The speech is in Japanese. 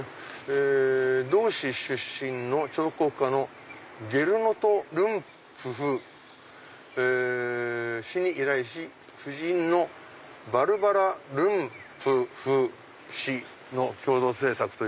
「同市出身の彫刻家ゲルノト・ルンプフ氏に依頼し夫人のバルバラ・ルンプフ氏との共同制作」。